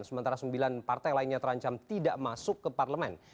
sementara sembilan partai lainnya terancam tidak masuk ke parlemen